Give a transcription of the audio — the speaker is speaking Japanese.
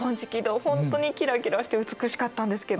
ほんとにキラキラして美しかったんですけど。